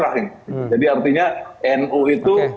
jadi artinya nu itu jadi artinya nu itu